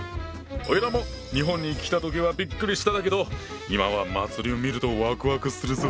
おいらも日本に来た時はびっくりしてたけど今は祭りを見るとワクワクするぞ！